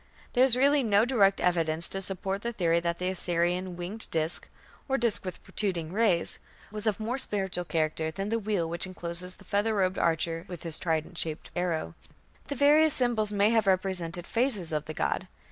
There is really no direct evidence to support the theory that the Assyrian winged disk, or disk "with protruding rays", was of more spiritual character than the wheel which encloses the feather robed archer with his trident shaped arrow. The various symbols may have represented phases of the god.